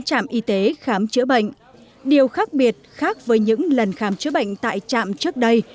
các trạm y tế khám chữa bệnh điều khác biệt khác với những lần khám chữa bệnh tại trạm trước đây